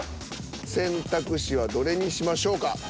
選択肢はどれにしましょうか？